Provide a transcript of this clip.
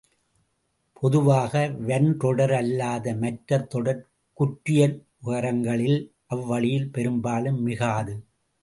பொதுவாக, வன்றொடர் அல்லாத மற்ற தொடர்க் குற்றியலுகரங்களில் அல்வழியில் பெரும்பாலும் மிகாது.